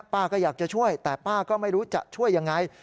ป้าก็อยากจะช่วยแต่ป้าก็ไม่รู้จะช่วยยังไง